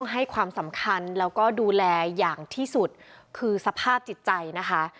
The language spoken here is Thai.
ให้ความสำคัญแล้วก็ดูแลอย่างที่สุดคือสภาพจิตใจนะคะ